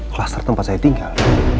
klaster tempat saya tinggal